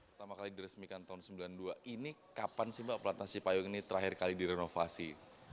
pertama kali diresmikan tahun seribu sembilan ratus sembilan puluh dua ini kapan sih mbak pelatnas cipayung ini terakhir kali direnovasi